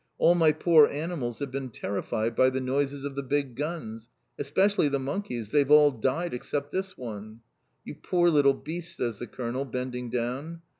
All my poor animals have been terrified by the noises of the big guns. Especially the monkeys. They've all died except this one." "You poor little beast!" says the Colonel, bending down.